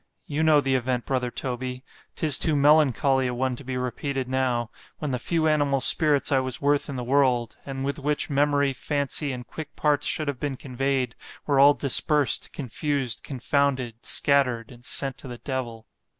You know the event, brother Toby——'tis too melancholy a one to be repeated now——when the few animal spirits I was worth in the world, and with which memory, fancy, and quick parts should have been convey'd——were all dispersed, confused, confounded, scattered, and sent to the devil.